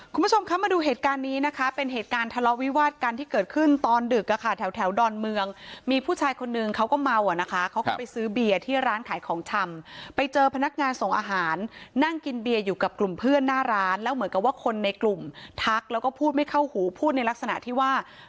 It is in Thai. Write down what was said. คุณผู้ชมคะมาดูเหตุการณ์นี้นะคะเป็นเหตุการณ์ทะเลาะวิวาดกันที่เกิดขึ้นตอนดึกอะค่ะแถวแถวดอนเมืองมีผู้ชายคนนึงเขาก็เมาอ่ะนะคะเขาก็ไปซื้อเบียร์ที่ร้านขายของชำไปเจอพนักงานส่งอาหารนั่งกินเบียร์อยู่กับกลุ่มเพื่อนหน้าร้านแล้วเหมือนกับว่าคนในกลุ่มทักแล้วก็พูดไม่เข้าหูพูดในลักษณะที่ว่า